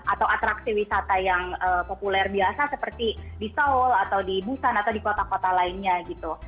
atau atraksi wisata yang populer biasa seperti di seoul atau di busan atau di kota kota lainnya gitu